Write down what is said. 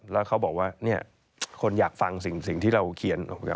แล้วเขาบอกว่าคนอยากฟังสิ่งที่เราเขียน